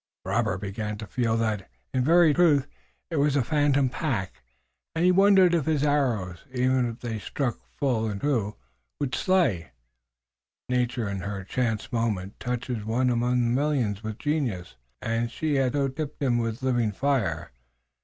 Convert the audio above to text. Robert began to feel that, in very truth, it was a phantom pack, and he wondered if his arrows, even if they struck full and true, would slay. Nature, in her chance moments, touches one among the millions with genius, and she had so tipped him with living fire.